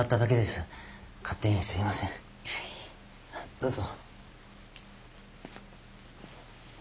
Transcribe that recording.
どうぞ。